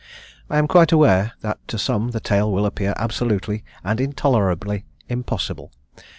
I am quite aware that to some the tale will appear absolutely and intolerably impossible.